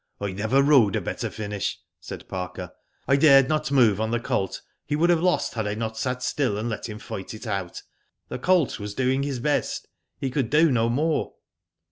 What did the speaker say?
*' I never rode a better finish," said Parker. '' I dared not move on the colt. He would have lost had I not sat still and let him fight it out. The colt was doing his .best. He could do no more."